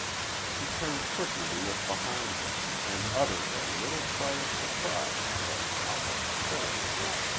She turned quickly to look behind her, and uttered a little cry of surprise that was almost terror.